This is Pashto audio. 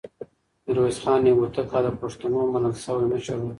ميرويس خان يو هوتک او د پښتنو منل شوی مشر و.